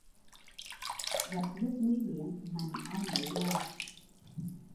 Gặp lúc nguy biến mạnh ai nấy làm